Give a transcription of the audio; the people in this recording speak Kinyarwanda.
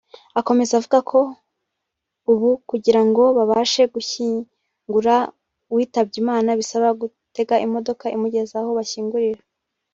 Akomeza avuga ko ubu kugira ngo babashe gushyingura uwitabye Imana bibasaba gutega imodoka imugeza aho bashyingura